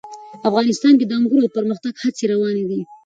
افغانستان کې د انګورو د پرمختګ هڅې روانې دي.